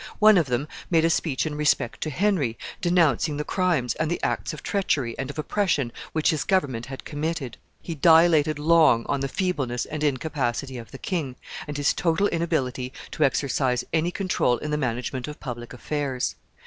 One of them made a speech in respect to Henry, denouncing the crimes, and the acts of treachery and of oppression which his government had committed. He dilated long on the feebleness and incapacity of the king, and his total inability to exercise any control in the management of public affairs.